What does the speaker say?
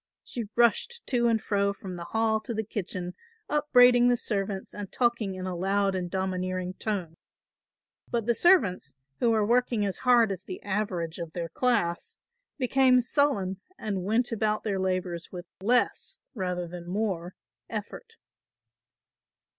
She rushed to and fro from the hall to the kitchen upbraiding the servants and talking in a loud and domineering tone. But the servants, who were working as hard as the average of their class, became sullen and went about their labours with less rather than more effort.